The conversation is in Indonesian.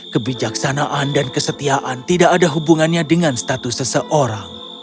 kebijaksanaan dan kesetiaan tidak ada hubungannya dengan status seseorang